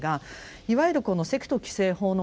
いわゆるこの「セクト規制法」の中身